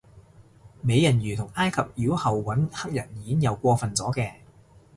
美人魚同埃及妖后搵黑人演又過份咗嘅